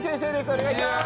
お願いします。